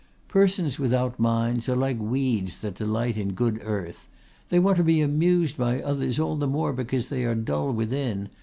Persons without minds are like weeds that delight in good earth; they want to be amused by others, all the more because they are dull within.